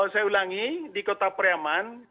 saya ulangi di kota priaman